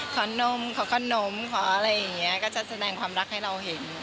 นมขอขนมขออะไรอย่างนี้ก็จะแสดงความรักให้เราเห็น